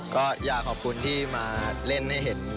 ก็อยากขอบคุณที่มาเล่นให้เห็น